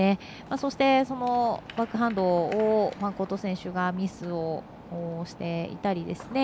そして、バックハンドをファンコート選手がミスをしていたり。